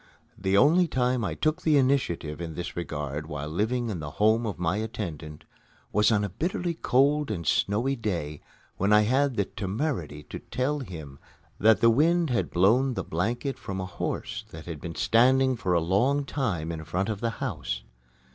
The only time I took the initiative in this regard while living in the home of my attendant was on a bitterly cold and snowy day when I had the temerity to tell him that the wind had blown the blanket from a horse that had been standing for a long time in front of the house.